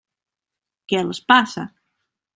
Què els passa?